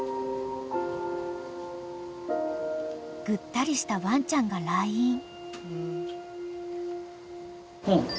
［ぐったりしたワンちゃんが来院］